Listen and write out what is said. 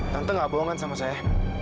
tante tidak bohongkan sama saya